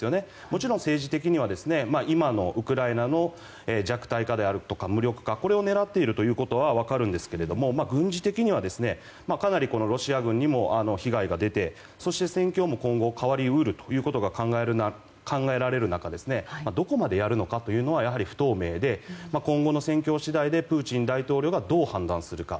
もちろん政治的にはウクライナの弱体化であるとか無力化を狙っていることは分かるんですが軍事的にはかなりロシア軍にも被害が出てそして、戦況も今後変わり得るということが考えられる中どこまでやるのかというのはやはり不透明で今後の戦況次第でプーチン大統領がどう判断するか。